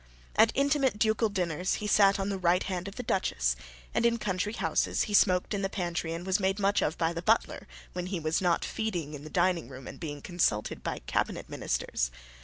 At intimate ducal dinners he sat on the right hand of the Duchess; and in country houses he smoked in the pantry and was made much of by the butler when he was not feeding in the dining room and being consulted by cabinet ministers.